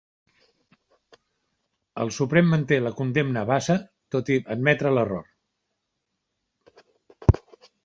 El Suprem manté la condemna a Bassa tot i admetre l'error